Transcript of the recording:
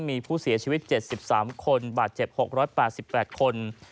มีผู้เสียชีวิต๗๓คนบาดเจ็บ๖๘๘คน